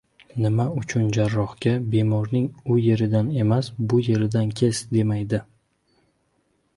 “Nima uchun jarrohga, bemorning u yeridan emas, bu yeridan kes, demaydi.